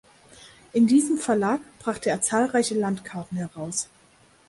In diesem Verlag brachte er zahlreiche Landkarten heraus.